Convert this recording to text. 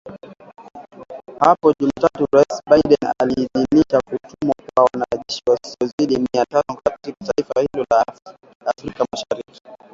Hapo Jumatatu Raisi Biden aliidhinisha kutumwa kwa wanajeshi wasiozidi mia tano katika taifa hilo la Afrika mashariki